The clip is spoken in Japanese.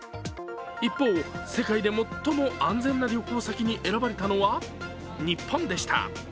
一方、世界で最も安全な旅行先に選ばれたのは、日本でした。